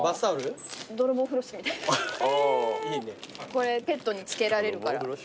これペットにつけられるから。